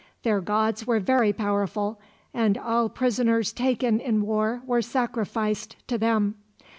Their gods were very powerful, and all prisoners taken in war were sacrificed to them.